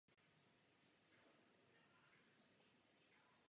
Poručík tomu nevěnuje pozornost.